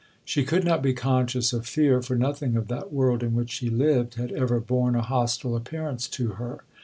She could not be conscious of fear, for nothing of that world in which she lived had ever borne a hostile appearance to her.